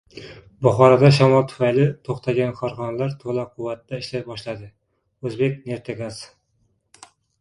Buxoroda shamol tufayli to‘xtagan korxonalar to‘la quvvatda ishlay boshladi — «O‘zbekneftgaz»